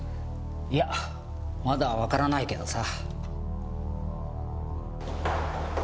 いやまだわからないけどさ。